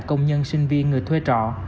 công nhân sinh viên người thuê trọ